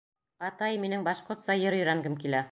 — Атай, минең башҡортса йыр өйрәнгем килә.